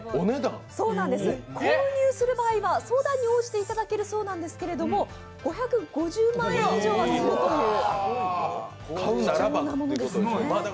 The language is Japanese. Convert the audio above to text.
購入する場合は相談に応じていただけるそうなんですけれども、５５０万円以上はするという貴重なものですね。